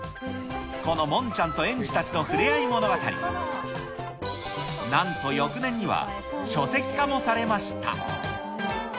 このモンちゃんと園児たちのふれあい物語、なんと翌年には書籍化もされました。